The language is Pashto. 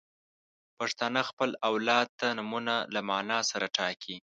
• پښتانه خپل اولاد ته نومونه له معنا سره ټاکي.